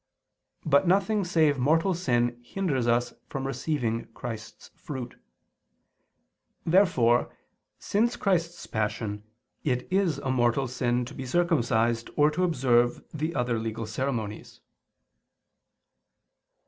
But nothing save mortal sin hinders us from receiving Christ's fruit. Therefore since Christ's Passion it is a mortal sin to be circumcised, or to observe the other legal ceremonies.